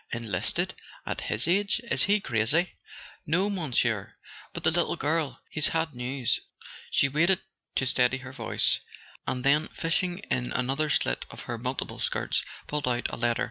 Enlisted? At his age—is he crazy?" "No, Monsieur. But the little girl —he's had news " She waited to steady her voice, and then fishing in another slit of her multiple skirts, pulled out a letter.